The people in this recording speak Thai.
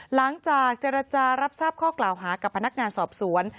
หลังจากเจรจารับทราบข้อกล่าวหากับพนักงานสอบสวน